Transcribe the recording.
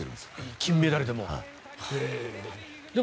金メダルでも。